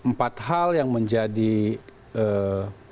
nah empat hal yang menjadi kenapa ini berlaku di dalam hal ini ya